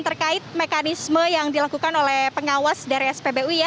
terkait mekanisme yang dilakukan oleh pengawas dari spbu ya